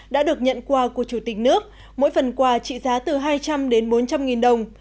đã được nhận quà của chủ tịch nước mỗi phần quà trị giá từ hai trăm linh đến bốn trăm linh nghìn đồng